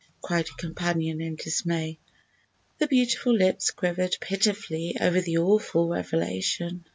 cried her companion in dismay. The beautiful lips quivered pitifully over the awful revelation.